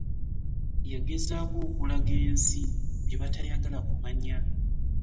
Yagezaako okulaga ensi bye batayagala kumanya.